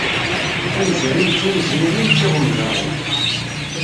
Tanzarin d timeẓyanin d tiɣunǧranin.